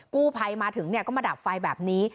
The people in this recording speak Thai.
กู้ภัยมาถึงก็มาดับไฟแบบนี้